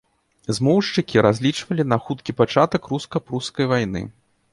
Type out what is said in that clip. Змоўшчыкі разлічвалі на хуткі пачатак руска-прускай вайны.